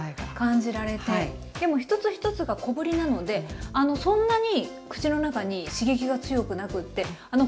でも一つ一つが小ぶりなのでそんなに口の中に刺激が強くなくて程よい。